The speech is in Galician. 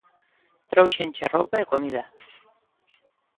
Tróuxenche roupa e comida.